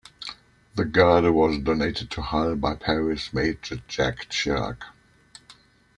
The girder was donated to Hull by Paris mayor Jacques Chirac.